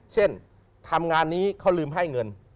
เช่นทำงานนี้เขาลืมให้เงิน